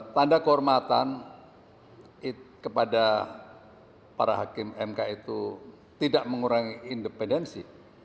tanda kehormatan kepada para hakim mk itu tidak mengurangi independensi